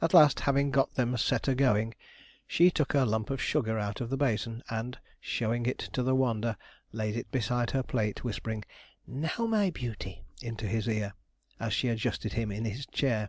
At last, having got them set a going, she took a lump of sugar out of the basin, and showing it to the wonder, laid it beside her plate, whispering 'Now, my beauty!' into his ear, as she adjusted him in his chair.